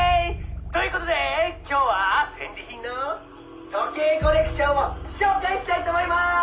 「という事で今日は戦利品の時計コレクションを紹介したいと思いまーす！」